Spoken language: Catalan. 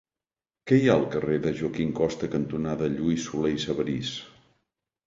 Què hi ha al carrer Joaquín Costa cantonada Lluís Solé i Sabarís?